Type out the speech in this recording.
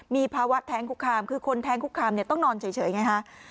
มีภาวะแท้งคุกคามคือคนแท้งคุกคามเนี่ยต้องนอนเฉยไงฮะ